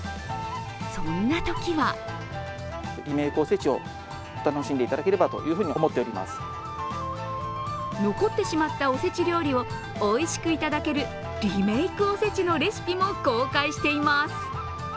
そんなときは残ってしまったお節料理をおいしくいただけるリメイクおせちのレシピも公開しています。